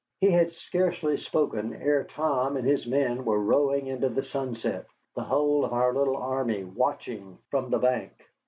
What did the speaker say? He had scarcely spoken ere Tom and his men were rowing into the sunset, the whole of our little army watching from the bank.